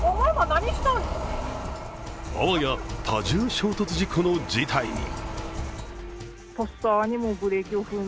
あわや多重衝突事故の事態に。